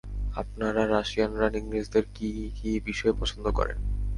আপনারা রাশিয়ানরা ইংরেজদের কী কী বিষয় পছন্দ করেন।